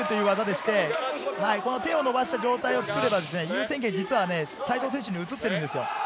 手を伸ばした状態をつくれば優先権が実は西藤選手に移ってるんですよ。